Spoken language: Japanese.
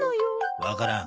わからん。